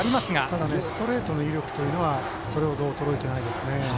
ただ、ストレートの威力はそれほど衰えてないですね。